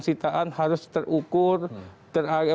sitaan harus terukur terregister